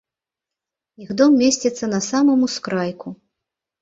Іх дом месціцца на самым ускрайку.